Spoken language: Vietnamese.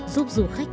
giúp du khách